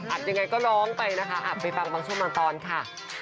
อัดยังไงก็น้องไปนะคะพี่ปังบังชุมันตอนค่ะ